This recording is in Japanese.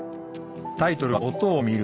タイトルは「音を見る」